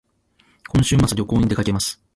今週末旅行に出かけます